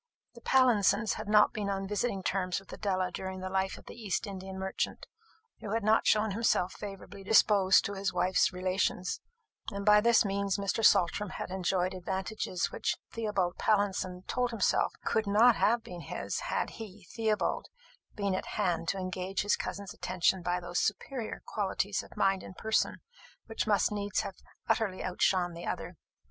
The Pallinsons had not been on visiting terms with Adela during the life of the East Indian merchant, who had not shown himself favourably disposed to his wife's relations; and by this means Mr. Saltram had enjoyed advantages which Theobald Pallinson told himself could not have been his, had he, Theobald, been at hand to engage his cousin's attention by those superior qualities of mind and person which must needs have utterly outshone the other.